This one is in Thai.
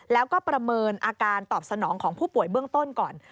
แล้วก็ประเมินอาการตอบสนองของผู้ป่วยเบื้องต้นก่อน